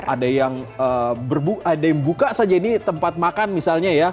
ada yang buka saja ini tempat makan misalnya ya